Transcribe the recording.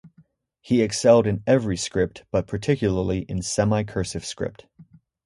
He excelled in every script but particularly in semi-cursive script.